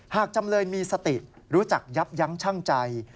จำเลยมีสติรู้จักยับยั้งชั่งใจ